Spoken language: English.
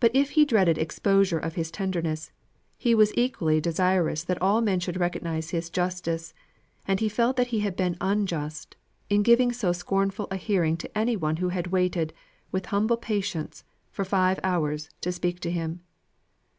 But if he dreaded exposure of his tenderness, he was equally desirous that all men should recognise his justice; and he felt that he had been unjust in giving so scornful a hearing to any one who had waited, with humble patience, for five hours, to speak to him.